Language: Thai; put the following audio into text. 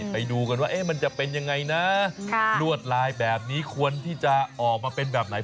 ไปดูกันว่ามันจะเป็นยังไงนะลวดลายแบบนี้ควรที่จะออกมาเป็นแบบไหน